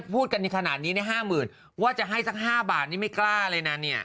พูดกันขนาดนี้๕๐๐๐ว่าจะให้สัก๕บาทนี่ไม่กล้าเลยนะเนี่ย